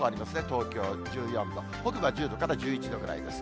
東京１４度、北部は１０度から１１度ぐらいです。